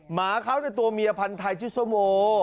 หมาเขาในตัวเมียพันธ์ไทยชื่อส้มโอ